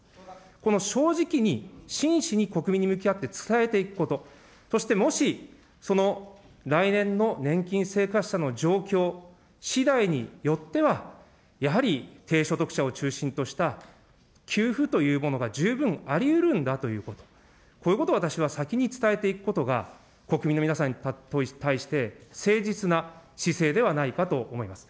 この正直に真摯に国民に向き合って伝えていくこと、そしてもし、その来年の年金生活者の状況しだいによっては、やはり低所得者を中心とした給付というものが十分ありうるんだということ、こういうことを私は先に伝えていくことが、国民の皆さんに対して、誠実な姿勢ではないかと思います。